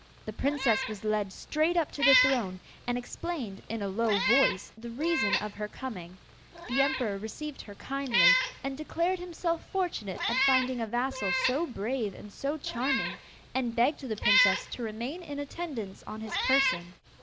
The princess was led straight up to the throne, and explained, in a low voice, the reason of her coming. The emperor received her kindly, and declared himself fortunate at finding a vassal so brave and so charming, and begged the princess to remain in attendance on his person.